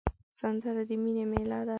سندره د مینې میله ده